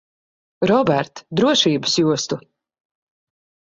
Robert, drošības jostu.